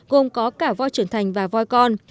gồm có cả voi trưởng thành và voi con